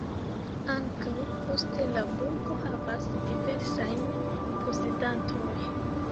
Ankaŭ poste la burgo havas diversajn posedantoj.